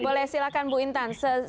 boleh silakan bu intan